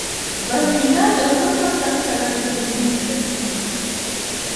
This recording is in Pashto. بسمينه د خپل مکتب سره ډيره مينه لري 🏫